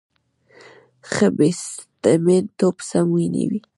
ښه بیټسمېن توپ سم ویني.